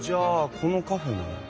このカフェも。